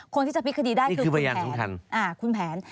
คนที่จะพลิกคดีได้คือคุณแผนนี่คือบรรยาณสำคัญ